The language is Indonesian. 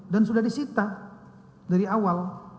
dan sudah disita